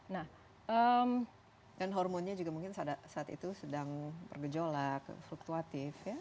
nah dan hormonnya juga mungkin saat itu sedang bergejolak fluktuatif ya